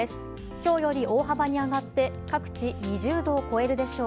今日より大幅に上がって各地２０度を超えるでしょう。